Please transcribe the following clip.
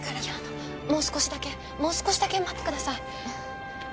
いやもう少しだけもう少しだけ待ってください。